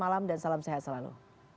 malam dan salam sehat selalu